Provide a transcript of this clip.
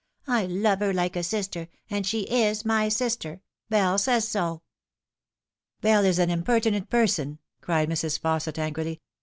" I lovo her like a sister, and she is my sister. Bell says so." " Bell is an impertinent person," cried Mrs. Fausset angrily.